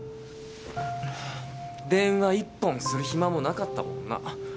電話１本する暇もなかったもんな。